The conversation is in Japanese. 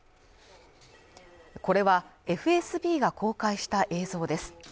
これはＦＳＢが公開した映像です